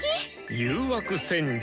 誘惑戦術！